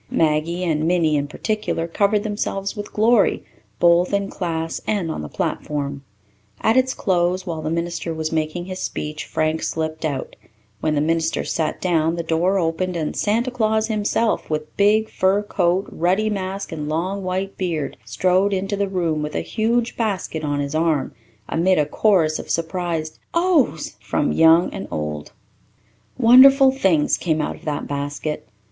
Maggie and Minnie, in particular, covered themselves with glory, both in class and on the platform. At its close, while the minister was making his speech, Frank slipped out; when the minister sat down the door opened and Santa Claus himself, with big fur coat, ruddy mask, and long white beard, strode into the room with a huge basket on his arm, amid a chorus of surprised "Ohs" from old and young. Wonderful things came out of that basket.